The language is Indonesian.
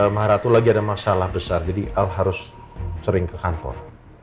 maharatu lagi ada masalah besar jadi al harus sering ke kantor